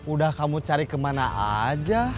udah kamu cari kemana aja